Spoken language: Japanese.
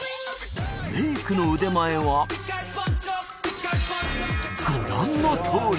メイクの腕前はご覧のとおり！